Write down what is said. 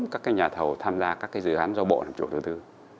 các cái nhà thầu tham gia các cái dự án giao bộ nằm chỗ thứ tư